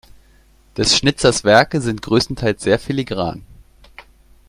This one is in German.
Des Schnitzers Werke sind größtenteils sehr filigran.